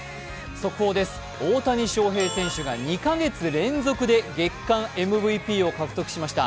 速報です、大谷翔平選手が２か月連続で月間ＭＶＰを獲得しました。